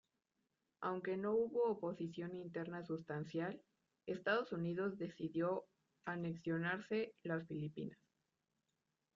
Aunque no hubo oposición interna sustancial, Estados Unidos decidió anexionarse las Filipinas.